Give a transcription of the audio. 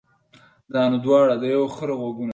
دا نو دواړه د يوه خره غوږونه دي.